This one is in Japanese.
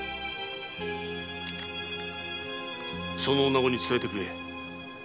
その女ごに伝えてくれ。